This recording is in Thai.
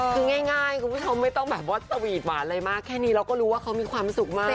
คือง่ายคุณผู้ชมไม่ต้องแบบว่าสวีทหวานอะไรมากแค่นี้เราก็รู้ว่าเขามีความสุขมาก